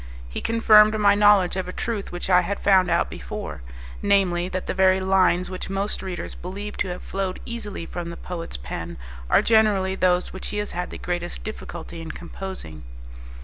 He confirmed my knowledge of a truth which I had found out before, namely, that the very lines which most readers believe to have flowed easily from the poet's pen are generally those which he has had the greatest difficulty in composing.